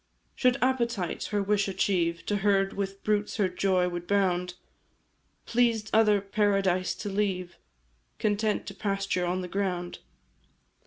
"Should appetite her wish achieve, To herd with brutes her joy would bound; Pleased other paradise to leave, Content to pasture on the ground.